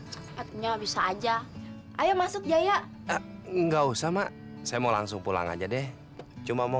cepatnya bisa aja ayo masuk jaya enggak usah mak saya mau langsung pulang aja deh cuma mau